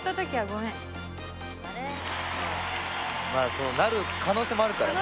そうなる可能性もあるからね。